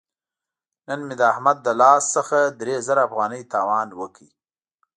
نن مې د احمد له لاس څخه درې زره افغانۍ تاوان وکړ.